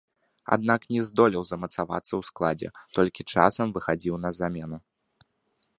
Аднак, не здолеў замацавацца ў складзе, толькі часам выхадзіў на замену.